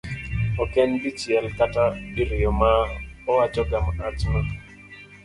ok en dichiel kata diriyo ma owachoga wachno